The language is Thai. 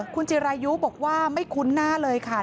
คุณจิรายุบอกว่าไม่คุ้นหน้าเลยค่ะ